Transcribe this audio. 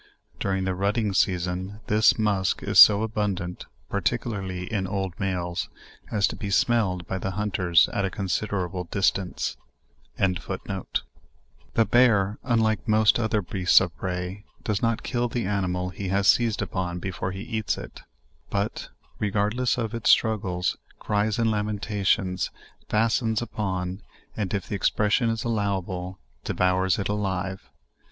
During the rutting season, this musk is so abuntant (particularly in old males) as to be smelled by the hunters at a considerable distance. 190 JOURNAL OF beasts of prey, does not kill the animal he has seized upon before he eats it; but, regardless of its struggles, cries and lamentations, fastens upon, and if the expression is allowa ble, devours it alive.